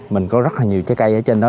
mình có rất là nhiều trái cây ở trên đó